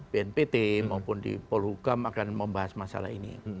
bnpt maupun di polhukam akan membahas masalah ini